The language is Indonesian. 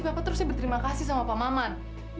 papa terusnya berterima kasih sama pak maman